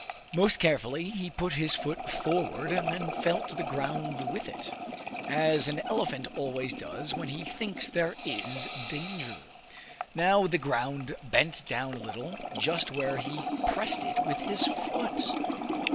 Most carefully he put his foot forward and felt the ground with it, as an elephant always does when he thinks there is danger. Now the ground bent down a little just where he pressed it with his foot!